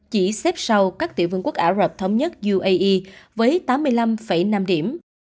chỉ xếp sau các tiểu vương quốc ả rập thống nhất uae với tám mươi năm năm điểm